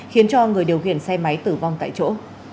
khiến cho người điều khiển xe máy tử vong tại chỗ